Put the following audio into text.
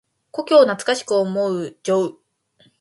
故郷を懐かしく思う情。